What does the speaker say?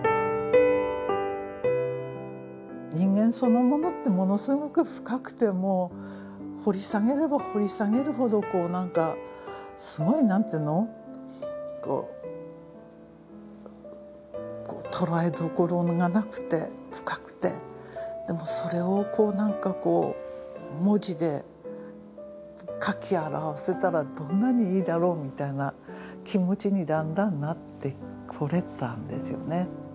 人間そのものってものすごく深くて掘り下げれば掘り下げるほど何かすごい何ていうのとらえどころがなくて深くてでもそれを何かこう文字で書き表せたらどんなにいいだろうみたいな気持ちにだんだんなってこれたんですよね。